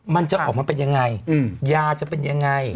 มันจะออกมาเป็นยังไงยาจะเป็นยังไง